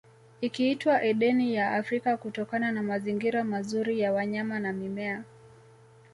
Ikiitwa Edeni ya Afrika kutokana na mazingira mazuri ya wanyama na mimea